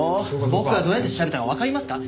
僕がどうやって調べたかわかりますか？